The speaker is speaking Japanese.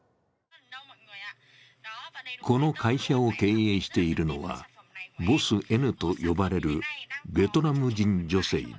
この会社を経営しているのはボスＮと呼ばれるベトナム人女性だ